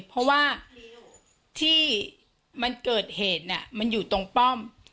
เพราะว่าที่มันเกิดเหตุเนี่ยมันอยู่ตรงป้อม